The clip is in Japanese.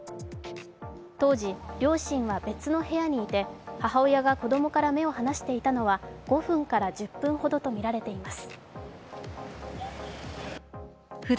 当時、両親は別の部屋にいて母親が子供から目を離していたのは５分から１０分ほどとみられています